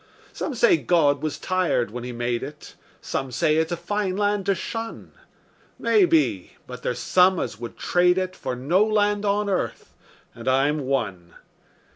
Some say God was tired when He made it; Some say it's a fine land to shun; Maybe; but there's some as would trade it For no land on earth and I'm one.